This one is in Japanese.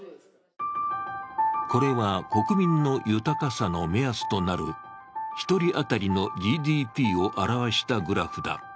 これは国民の豊かさの目安となる１人当たりのＧＤＰを表したグラフだ。